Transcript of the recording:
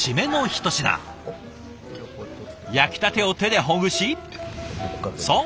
焼きたてを手でほぐしそう！